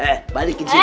eh balikin sini